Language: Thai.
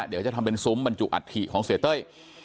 เดี๋ยวจะทำเป็นซุ้มบรรจุอัฐิของเสียเต้ย